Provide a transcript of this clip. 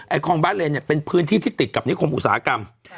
คลองบ้านเรนเนี่ยเป็นพื้นที่ที่ติดกับนิคมอุตสาหกรรม